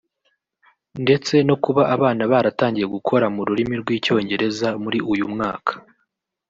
ndetse no kuba abana baratangiye gukora mu rurimi rw’icyongereza muri uyu mwaka